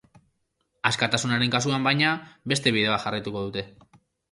Askatasunaren kasuan, baina, beste bide bat jarraituko dute.